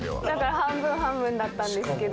半分半分だったんですけど。